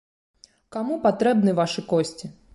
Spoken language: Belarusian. Каму патрэбны вашы косці?